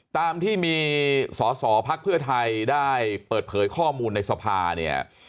ตามที่มีสอสอพักเพื่อไทยได้เปิดเผยข้อมูลในสภาเนี่ย